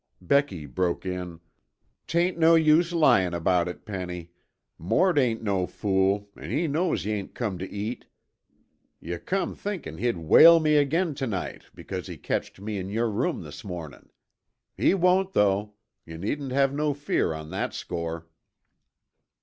Becky broke in. "'Tain't no use lyin' about it, Penny. Mort ain't no fool, an' he knows yuh ain't come tuh eat. Yuh come thinkin' he'd whale me again tuhnite because he catched me in yer room this mornin'. He won't though yuh needn't have no fear on that score."